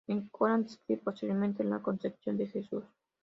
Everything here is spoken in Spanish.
El Corán describe posteriormente la concepción de Jesús.